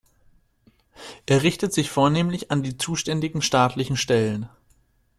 Er richtet sich vornehmlich an die zuständigen staatlichen Stellen.